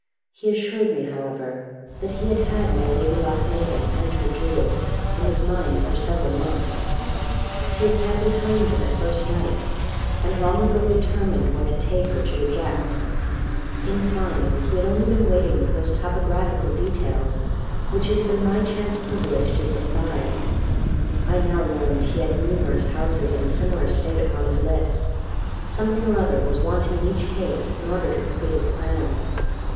He assured me, however, that he had had my Lady Lochmaben and her jewels in his mind for several months; he had sat behind them at first nights; and long ago determined what to take or to reject; in fine, he had only been waiting for those topographical details which it had been my chance privilege to supply. I now learned that he had numerous houses in a similar state upon his list; something or other was wanting in each case in order to complete his plans.